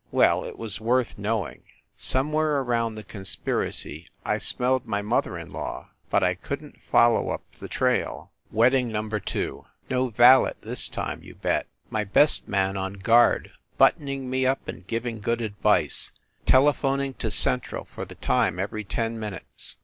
Well, it was worth knowing. Somewhere around the con spiracy, I smelled my mother in law but I couldn t follow up the trail. THE LIARS CLUB 91 Wedding Number Two : No valet this time, you bet. My best man on guard, buttoning me up and giving good advice, telephoning to Central for the time every ten minutes.